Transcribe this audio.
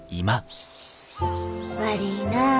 悪いなあ。